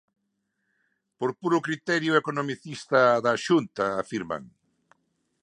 "Por puro criterio economicista da Xunta", afirman.